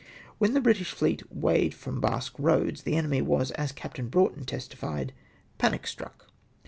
When the British fleet weighed fi'om Basque Eoads, the enemy was, as Captain Broughton testifled '■^ panic struck.''